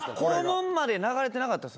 肛門まで流れてなかった。